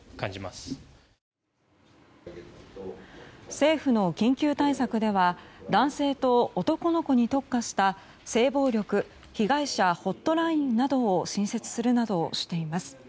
政府の緊急対策では男性と男の子に特化した性暴力被害者ホットラインなどを新設するなどをしています。